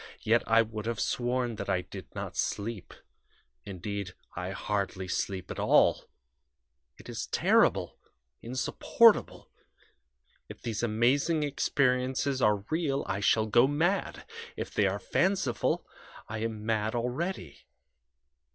Yet I would have sworn that I did not sleep indeed, I hardly sleep at all. It is terrible, insupportable! If these amazing experiences are real I shall go mad; if they are fanciful I am mad already.